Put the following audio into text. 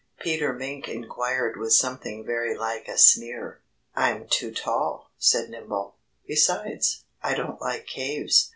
Peter Mink inquired with something very like a sneer. "I'm too tall," said Nimble. "Besides, I don't like caves.